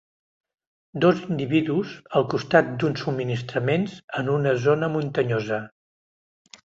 Dos individus al costat d'uns subministraments en una zona muntanyosa.